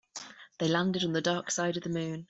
They landed on the dark side of the moon.